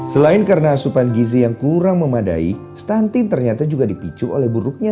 selain karena asupan gizi yang kurang memadai stunting ternyata juga dipicu oleh buruknya